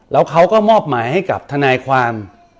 แล้วเขาก็มอบหมายให้กับทนายความ